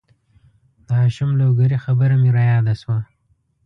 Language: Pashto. د هاشم لوګرې خبره مې را یاده شوه